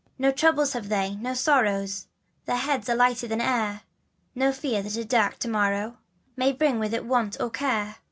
No trouble have they, no sorrow Their hearts are lighter than air, No fear that a dark to morrow May bring with it want or care.